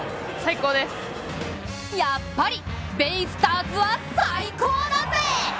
やっぱりベイスターズは最高だぜ！